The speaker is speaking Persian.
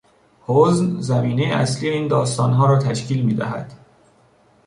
حزن زمینهی اصلی این داستانها را تشکیل میدهد.